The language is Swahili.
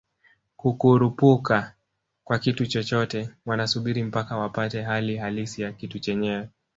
kukurupuka kwa kitu chochote wanasubiri mpaka wapate hali halisi ya kitu chenyewe